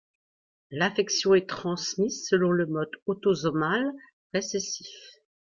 L'affection est transmise selon le mode autosomal récessif.